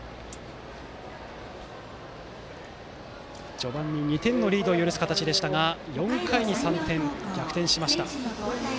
序盤に２点のリードを許す形でしたが４回に３点。逆転しました。